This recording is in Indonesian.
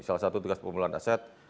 salah satu tugas pemuluhan aset